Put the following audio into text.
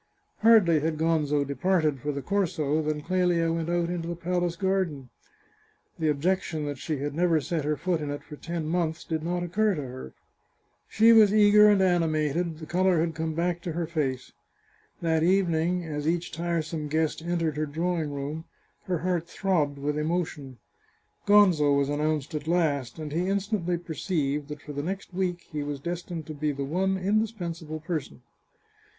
Hardly had Gonzo departed for the Corso than Clelia went out into the palace garden. The objection that she had never set her foot in it for ten months did not occur to her. She was eager and animated, the colour had come back 524 The Chartreuse of Parma to her face. That evening, as each tiresome guest entered her drawing room, her heart throbbed with emotion. Gonzo was announced at last, and he instantly perceived that for the next week he was destined to be the one indispensable per son.